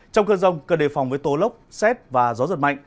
trong cơn rông cần đề phòng với tố lốc xét và gió giật mạnh